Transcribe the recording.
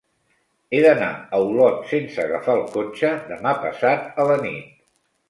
He d'anar a Olot sense agafar el cotxe demà passat a la nit.